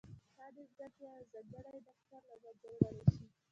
دا نیمګړتیا یو ځانګړی ډاکټر له منځه وړلای شي.